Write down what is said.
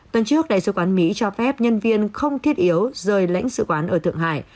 tuần trước đại sứ quán mỹ cho phép nhân viên không thiết yếu rời lãnh sự quán ở thượng hải